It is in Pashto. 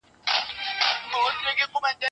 ما ونې ته اوبه ورکړې دي.